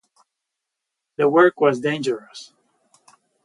The work was dangerous.